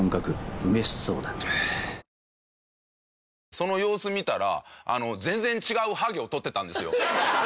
その様子見たら全然違うハゲを撮ってたんですよ。